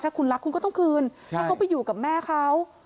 ถ้าคุณรักคุณก็ต้องคืนถ้าเขาไปอยู่กับแม่เขา